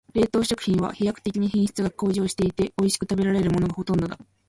冷凍食品は飛躍的に品質が向上していて、おいしく食べられるものがほとんどだ。